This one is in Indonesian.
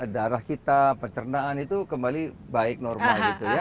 darah kita pencernaan itu kembali baik normal